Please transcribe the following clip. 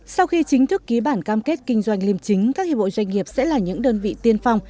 nhân thức ký bản cam kết kinh doanh liêm chính các hiệp hội doanh nghiệp sẽ là những đơn vị tiên phong